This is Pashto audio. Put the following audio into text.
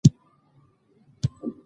الله ستاسو عیبونه پټوي.